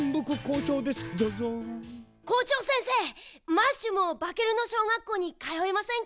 マッシュもバケルノ小学校にかよえませんか？